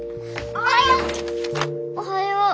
おはよう。